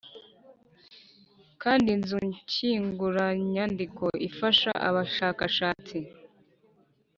kandi inzu nshyinguranyandiko ifasha abashakashatsi